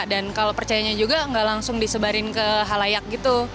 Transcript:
dan kalau percayanya juga tidak langsung disebarin ke halayak gitu